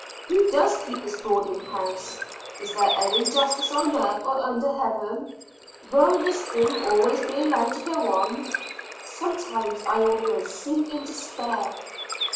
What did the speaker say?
Who does keep this boarding house? Is there any justice on earth or under heaven? Will this thing always be allowed to go on? Sometimes I almost sink in despair.